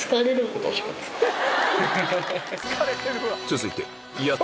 続いて